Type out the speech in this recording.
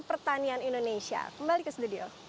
pertanian indonesia kembali ke studio